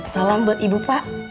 salam buat ibu pak